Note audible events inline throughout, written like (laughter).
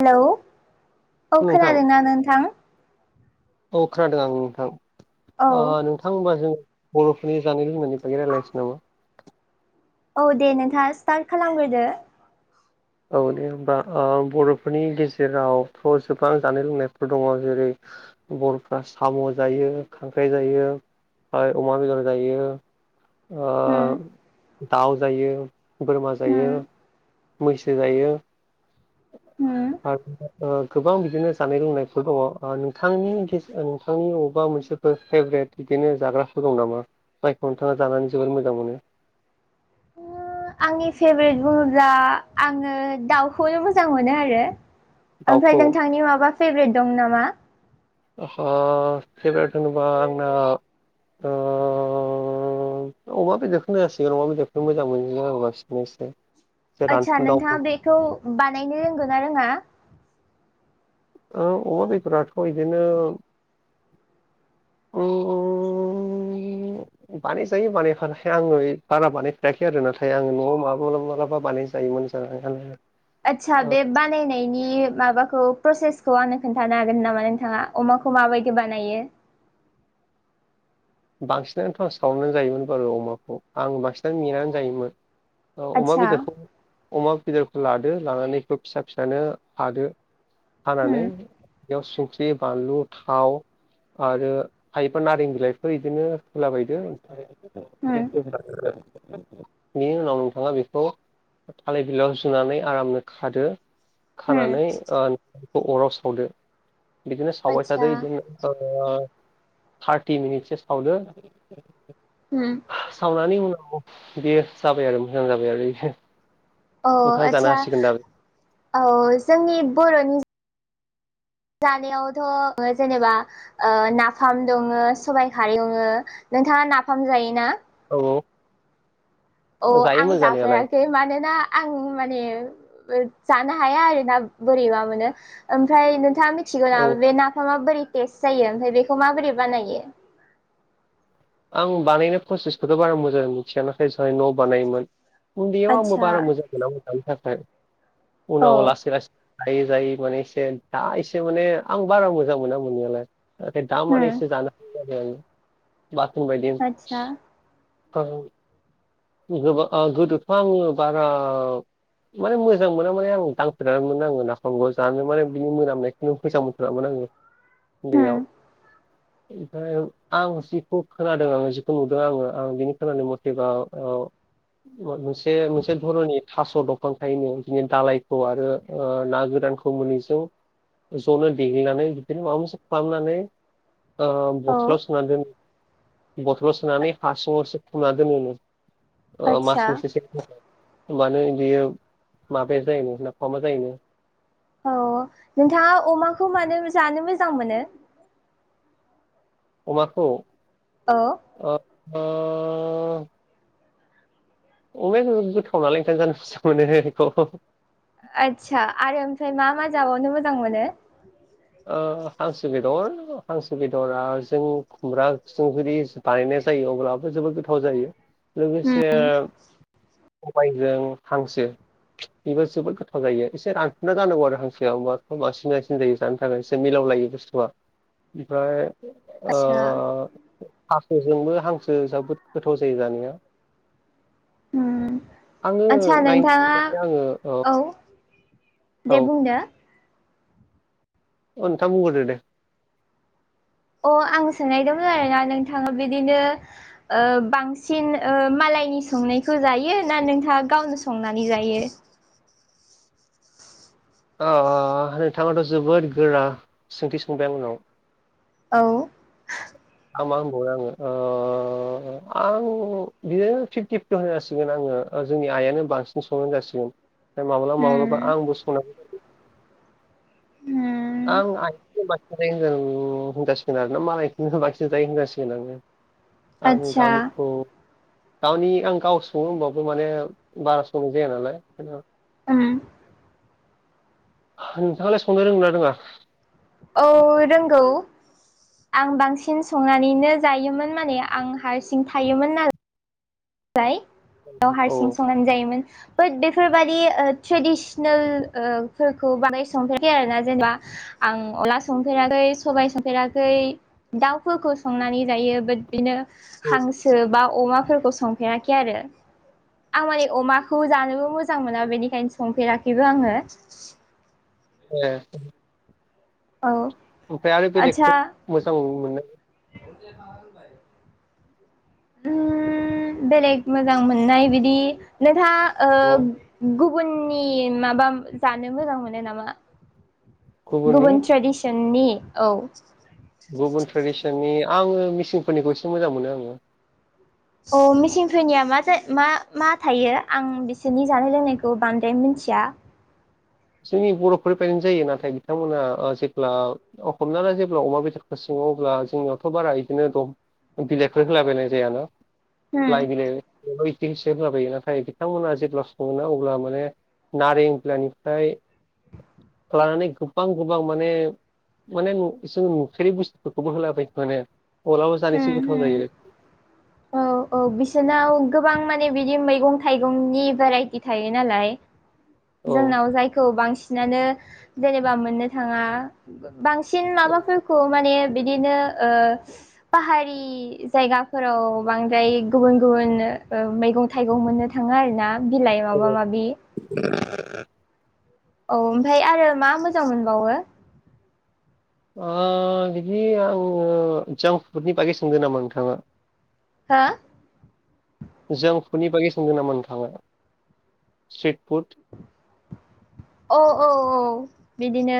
Hello औ नोंथां खोनादोंना नोंथां? औ खोनादों आं नोंथां औ ओ थाङ होनबा जों बर'फोरनि जानाय लोंनायनि बायदि रायलायनोसै नामा? औ दे नोंथाङा स्टार्ट खालामग्रोदो औ दे होनबा ओ बर'फोरनि गेजेरावथ' गोबां जानाय लोंनायफोर दङ जेरै बलफ्रा साम' जायो खांख्राइ जायो। अमा बेदर जायो ओ उम दाउ जायो बोरमा जायो। उम मैसो जायो। होम (unintelligible) ओ गोबां बिदिनो जानाय लोंनायफोर दङ ओ नोंथांनि गेस ओ नोंथांनि अबेबा मोनसे बो फेभरेट बिदिनो जाग्राफोर दं नामा जायखौ नोंथाङा जानानै जोबोर मोजां मोनो आंनि फेभरेट बुङोब्ला आङो दाउखौनो मोजां मोनो आरो ओमफ्राय दाउखौ नोंथांनि माबा फेभरेट दं नामा? ओ फेबरेथ होनोबा आंना ओ अमा बेदरखौनो जासिगोन अमा बेदरखौनो मोजां मोनो आं बांसिन एसे एसे आदसा रानफुनदा अमा नोंथाङा बेखौ बानायनो रोंगोना रोङा औ अबिफ्राथ' बिदिनो अ-अ बानायजायो बानायफाय आङो बारा बानायफेराखै आरो नाथाय आङो न'आव माबा माबलाबा बानायजायोमोन। (unintelligible) (inaudible) आतसा बेबा बानायनायनि माबाखौ प्रसेसखौ आंनो खोन्थानो हागोन नामा नोंथाङा अमाखौ माबायदि बानायो? बांसिनानो फार्स सावनानै जायोमोन बार अमाखौ आं बांसिनानो मेनानै जायोमोन। अमा आदसा बेदरखौ अमा बेदरखौ लादो लानानै बेखौ फिसा फिसानो हादो उम हानानै बेयाव संख्रि बानलु थाव आरो हायोबा नारें बिलाइ हो इदिनो होलाबायदो उम (unintelligible) बेनि उनाव नोंथाङा बेखौ थालिर बिलायाव जुनानै आरामनो खादो उम खानानै ओ नाखौ अराव सावदो बिदिनो सावबाय आदसा थादो बिदिनो ओ थार्टि मिनिटसो सावदो होम सावनानै उनाव बियो जाबाय आरो मोजां जाबाय आरो इयो औ आदसा औ जोंनि बर'नि जानायावथ' जेनेबा ओ नाफाम दङो सबाइ खारै दङो नोंथाङा नाफाम जायोना? औ औ औ आं जायोमोन जानायालाय जाफेराखै मानोना आं माने जानो हाया आरो ना बोरैबा मोनो ओमफ्राय नोंथाङा मि थिगौ औ नामा बे नाफामा माबोरै टेस्ट जायो ओमफ्राय बेखौ माबोरै बानायो आं बानायनाय प्रसेसखौथ' बारा मोजां मिथिया नाथाय जोंहानि न'आव बानायोमोन उन्दैयाव आंबो आतसा बारा मोजां मोनामोन दानि थाखाय औ उनाव लासै लासै जायै जायै माने एसे दा एसे माने आं बारा मोजां मोना मोननायालाय नाथाय दामाने होम एसे जानो हायो आरो आङो बाथोन बायदि आतसा औ गोबा ओ गोदोथ' आङो बारा माने मोजां मोना माने आं दांफेराबोमोन आङो नाफामखौ जानो माने बिनि मोनामनायखौ नो फैसा मोनथारामोन आङो होम उन्दैयाव ओमफ्राय आं जिखौ खोनादों आं जिखौ नुदों आङो आं बिनि खोनानाय मथेबा औ मोनसे मोनसे धरनि थास' दंफां खायोनो बिदिनो दालायखौ आरो ओ ना गोरानखौ मोनैजों ज'नो देग्लिनानै बिदिनो माबा मोनसे खालामनानै ओ औ बथलाव सोना दोनो बथलाव सोनानै हा सिङावसो फबना दोनोनो ओ मास आतसा मोनसेसो होनबानो बियो माबाया जायोनो नाफामा जायोनो औ नोंथाङा अमाखौ मानो जानो मोजां मोनो? अमाखौ औ ओ अमाया गो-गोथाव नालाय ओंखायनो जानो मोजां मोनो बेखौ आदसा आरो ओमफ्राय मा मा जाबावनो मोजां मोनो? ओ हांसो बेदर हांसो बेदरा जों खुमब्रा ओंख्रि बानायनाय जायो अब्लाबो जोबोद गोथाव जायो लोगोसे सबाइजों हांसो बेबो जोबोद गोथाव जायो एसे रानफुनला जानांगौ आरो हांसोआ अमाखौ (unintelligible) जायो। जानो थाखाय एसे मिलाव लायो बुस्थुआ ओमफ्राय ओ आदसा हांसोजोंबो हांसो जाबोद गोथाव जायो जानाया। उम आङो आदसा नाइनटि नोंथाङा माने आङो औ। दे औ बुंदो ओ नोंथां बुंग्रोदो दे अ आं सोंनायदोंमोन आरोना नोंथाङा बिदिनो ओ बांसिन ओ मालायनि संनायखौ जायो ना नोंथाङा गावनो संनानै जायो। ओ नोंथाङाथ' जोबोद गोरा सोंथि सोंबाय आंनाव औ आं मा होनबावो आङो ओ आं बिदिनो फिफ्टि (unintelligible) आङो जोंनि आयानो बांसिन संनाय जासिगोन माब्लाबा माब्लाबा आंबो संनां (unintelligible) आं आदसा गावनिखौ गावनि आं गाव सङो होमबो माने बारा संनाय जाया नालाय जेनबा नोंथाङालाय संनो रोंगोना रोङा? औ रोंगौ। आं बांसिन संनानैनो जायोमोन माने आं हारसिं थायोमोन नाल (unintelligible) औ हारसिं संनानै जायोमोन। बाट बेफोरबादि ट्रेडिसनेल ओ फोरखौ बानाय संफेराखै आरो जेनेबा आं अला संफेराखै सबाय संफेराखै दाउफोरखौ संनानै जायो बाट बिनो औ हांसो बा अमाफोरखौ सं फेराखै आरो आं माने अमाखौ जानोबो मोजां मोना बेनिखायनो सं फेराखैबो आङो ए औ ओमफ्राय आरो आदसा बेलेगखौ मोजां मोननाय (inaudible) उम बेलेग मोजां मोननाय बिदि नोंथाङा ओ दं गुबु गुबुननि माबा जानो मोजां मोनो नामा गुबुननि गुबुन ट्रेदिस चननि औ। गुबुन ट्रेडिसननि आङो मिसिंफोरनिखौ एसे मोजां मोनो आङो। अ मिचिंफोरनिया मा जा मा थायो आं बिसोरनि जानाय लोंनायखौ बांद्राय मिथिया। जोंनि बर'फोरनिफ्रायनो जायो नाथाय बिथांमोना ओ जेब्ला अ हमना ला जेब्ला अमा बेदरखौ सोङो अब्ला जोंनियावथ' बारा बिदिनो दं बिलाइफोर होलाबायनाय जायाना होम लाइ बिलाइ (unintelligible) होलाबायो नाथाय बिथांमोना जेब्ला सङोना अब्ला माने नारें बिलायनिफ्राय लानानै गोबां गोबां माने माने नु जों नुफेरै बुस्थुफोरखौबो होलाबाय माने। अलाबो जानोसै होम गोथाव होम जायो। औ औ बिसोरनाव गोबां माने बिदि मैगं थाइगंनि भेराइटि थायो नालाय। औ जोंनाव जायखौ बांसिनानो जेनेबा मोननो थाङा बांसिन माबाफोरखौ माने बिदिनो ओ पाहारि जायगाफोराव बांद्राय गुबुन गुबुन मैगं थाइगं मोननो थाङो आरोना बिलाइ माबा माबि। ए औ ओमफ्राय आरो मा मोजां मोनबावो? ओ बिदि आङो जांफुटनि बागै सोंदों नामा नोंथाङा? हा? जों फुडनि बागै सोंगोन ना मोन थाङा? स्ट्रिट फुड औ औ औ बिदिनो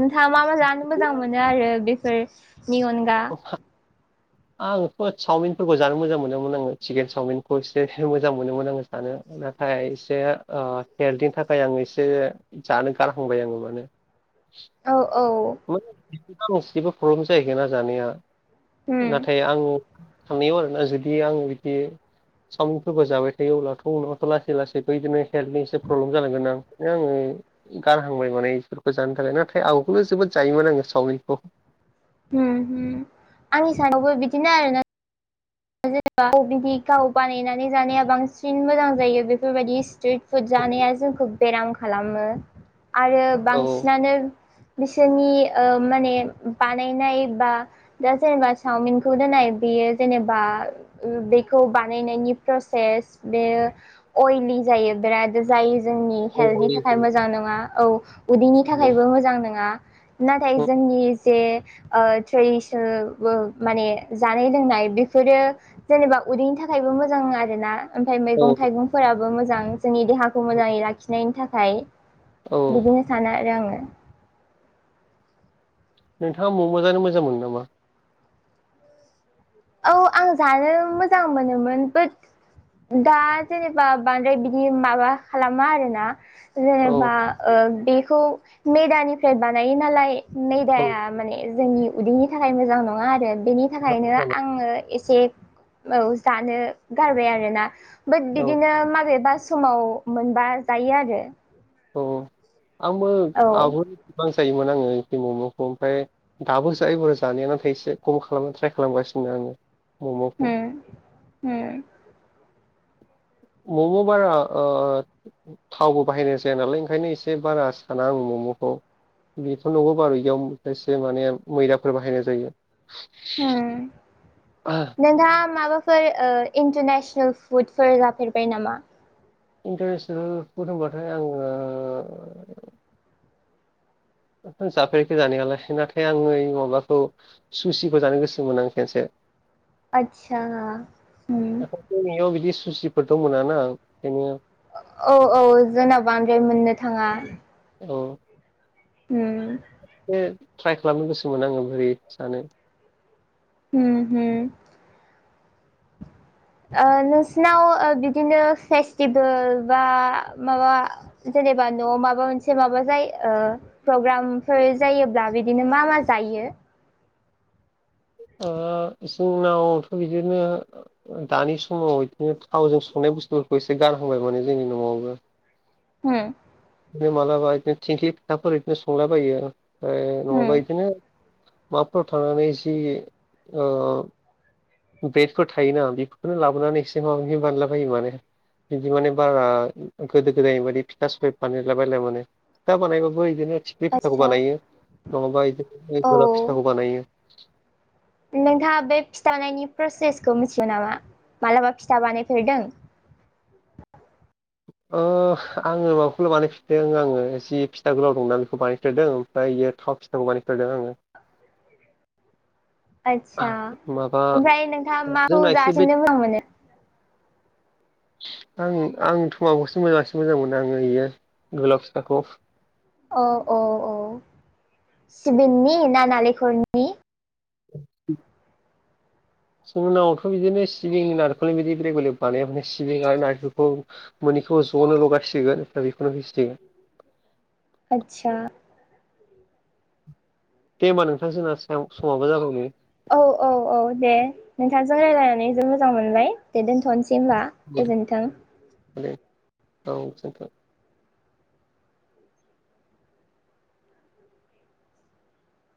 नोंथाङा मा मा जानो मोजां मोनो आरो बेफोरनि अनगा (unintelligible) आंथ' चावमिनफोरखौ जानो मोजां मोनोमोन आङो चिकेन चावमिनखौ एसे मोजां मोनोमोन आङो सानो नाथाय एसे ओ केेल्डनि थाखाय आं एसे जानो गारहांबाय आङो माने। औ औ। (unintelligible) गांसेबो प्रब्लेम जाहैगोन ना जानाया उम नाथाय आं थांनायाव आरोना जुदि आङो बिब्दि सावमिवनफोरबो जाबाय थायो अब्लाथ' उनावथ' लासै लासै बिदिनो हेल्थनि एसे प्रब्लेम जालांगोन आं आङो गारहांबाय माने इफोरखौ जानो थाखाय नाथाय आगोलो जोबोद जायोमोन आङो सावमिखौ। उम्म हम्म आंनि साननायावबो बिदिनो आरोना ओ जेनेबा ननि गाव बानायनानै जानाया बांसिन मोजां जायो बेफोरबायदि स्ट्रिट फुुद जानाया जोंखौ बेराम खालामो। आरो औ बांसिनानो बिसोरनि ओ माने बानायनाय बा दा जेनेबा चावमिनखौनो नाय बेयो जेनेब बा ओ बेखौ बानायनायनि प्रसेस बेयो अइलि जायो बेराद जायो जोंनि औ हेल्थनि थाखाय मोजां नंङा औ। उदैनि थाखायबो मोजां नोंङा नाथाय औ जोंनि जे ओ थैसोबो माने जानाय लोंनाय बि फोरो जेनेबा उदैनि थाखायबो मोजां आरोना ओमफाय औ मैगं थाइगंफोराबो मोजां। जोंनि देहाखौ मोजांङै लाखिनायनि थाखाय औ बिदिनो सानो आरो आंङो। नोंथांङा म' म' जानो मोजां मोनो नामा? औ आं जानो मोजां मोनोमोन बोट दा जेनेबा बांद्राय बिदि माबा खालामा आरोना औ जेनेबा ओ बेखौ मेदानिफ्राय बानायो नालाय औ मेदाया माने जोंनि उदैनि थाखाय मोजां नंङा आरो बेनि थाखायनो मोजांमोन आंङो एसे औ जानो गारबाय आरोना। बोट औ बिदिनो माबेबा समाव मोनबा जायो आरो। औ आंबो औ आवगोल गोबां जायोमोन आंङो इदि मम'खौ ओमफाय दाबो जायो बोरोय जानाया नाथाय एसे खम खालामनो ट्राय खालामगासिनो आंङो मम'खौ। उम। मम' बारा ओ थावबो बाहायनाय जाया नालाय ओंखायनो एसे बारा साना आं मम'खौ। बेथ नंगौ बारु इयावबो एसे माने मैदाफोर बाहायनाय जायो। उम नोंथांङा माबाफो फोर ओ इन्टारनेसनेल फुडफोर जाफेरबाय नामा? इन्टारनेसनेल फुड होमबाथाय आंङो जाफेराखै जानायालाय नाथाय आंङो माबाखौ सुसिखौ जानो गोसोमोन आं खेनसे‌। आदसा उम। दाथ' जोंनियाव बिदि सुसिफोरथ' मोनाना ओंखायनो औ औ जोंनाव बांद्राय मोननो थांङा। औ। उम। इदिनो ट्राइ खालामनो गोसोमोन आंङो बोरै सानो उम हो ओ नोंसिनाव ओ बिदिनो फेस्टिभोल बा माबा जेनेबा न'आव माबा मोनसे माबा जायो ओ प्रग्रामफोर जायोब्ला बिदिनो मा मा जायो ओ जोंनावथ' बिदिनो ओ ओ दानि समाव इदिनो थावजों संनाय बुस्थुफोरखौ एसे गारहांबाय माने जोंनि न'आवबो। उम टाइमा जाबाय इदिनो थिंख्लि फिथाफोर इदिनो संलाबायो ओमफ्राय उम नङाबा इदिनो माबाफ्राव थांनानै जि ओ बेडफोर थायोना बिखौनो लाबोनानै एसे माबा माबि बानायला बायो माने। इदि माने बारा गोदो गोदायनि बायदि फिथा सौराय बानायला बायला माने। फिथा बानायबाबो इदिनो थिख्लि फिथाखौ आदसा बानायो नंङाबा इदिनो औ गोलाव फिथाखौ बानायो। नोंथांङा बे फिथानायनि प्रसेसखौ मिथियो नामा मालाबा फिथा बानायफेरदों। ओ आंङो माबाखौल' बानायफिदों आंङो जि फिथा गोलाव दंना बेखौ बानायफिरदों। फ्राय इयो थाव फिथाखौ बानायफेरदों आंङो। आदसा माबा ओमफाय नोंथांङा माखौ जोंना एसे बे जासिननो मोजां मोनो? आं आंथ माखौसो मोजाङांसो मोजां मोनो आङो इयो गोलाव फिथाखौ। औ औ औ सिबिननि ना नालेंखरनि (unintelligible) से उनावथ' बिदिनो सिबिंनि नारखलनि बिदि रेगुले बानाया सिबिं आरो नारखिलखौ मोनिखौ ज'नो लगायसिगोन दा बेखौनो होसिगोन आदसा दे होमबा नोंथां जोंना सायाव समाबो जागौबाय औ औ औ दे नोंथांजों रायलायनानै जोबोर मोजां मोनबाय दे दोनथ'नोसै होमबा गुर गोजोन्थों माने औ थिंख्लां